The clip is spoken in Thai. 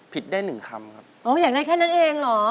ผิดได้หนึ่งครั้งครับโอ้โหอยากได้แค่เน่นเองเหรอ